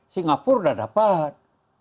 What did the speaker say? singapura sudah dapat